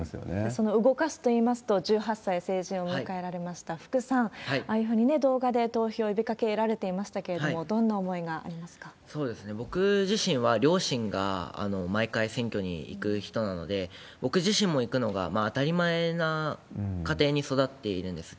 その動かすといいますと、１８歳、成人を迎えられました福さん、ああいうふうに動画で投票を呼びかけられていましたけど、どんな僕自身は、両親が毎回選挙に行く人なので、僕自身も行くのが当たり前な家庭に育っているんです。